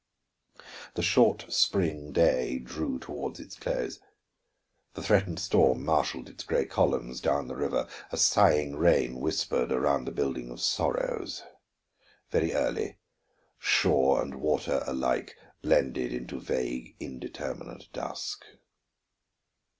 The short spring day drew toward its close. The threatened storm marshaled its gray columns down the river, a sighing rain whispered around the building of sorrows. Very early, shore and water alike blended into vague, indeterminate dusk.